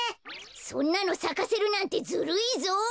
そんなのさかせるなんてずるいぞ！